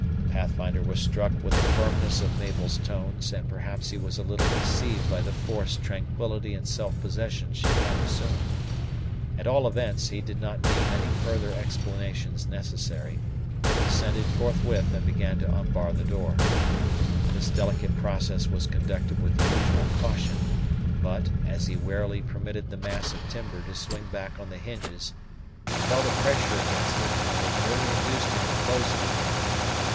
Pathfinder was struck with the firmness of Mabel's tones, and perhaps he was a little deceived by the forced tranquillity and self possession she had assumed. At all events, he did not deem any further explanations necessary, but descended forthwith, and began to unbar the door. This delicate process was conducted with the usual caution, but, as he warily permitted the mass of timber to swing back on the hinges, he felt a pressure against it, that had nearly induced him to close it again.